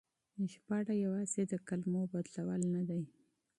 ژباړه يوازې د کلمو بدلول نه دي.